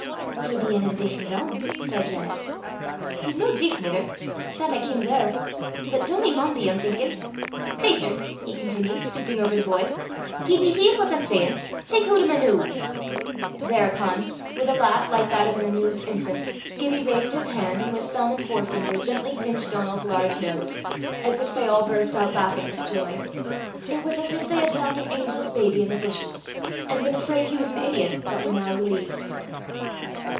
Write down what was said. "He'll be ane o' the deif an' dumb," said Janet. "He's no deif, mither; that I ken weel; but dumb he maun be, I'm thinkin'. Cratur," he continued, stooping over the boy, "gien ye hear what I'm sayin', tak haud o' my nose." Thereupon, with a laugh like that of an amused infant, Gibbie raised his hand, and with thumb and forefinger gently pinched Donal's large nose, at which they all burst out laughing with joy. It was as if they had found an angel's baby in the bushes, and been afraid he was an idiot, but were now relieved.